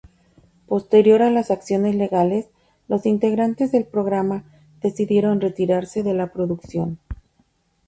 Posterior a las acciones legales, los integrantes del programa decidieron retirarse de la producción.